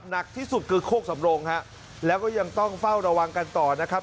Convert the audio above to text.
หนักที่สุดคือโคกสำรงฮะแล้วก็ยังต้องเฝ้าระวังกันต่อนะครับ